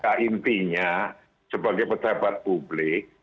ketika intinya sebagai petabat publik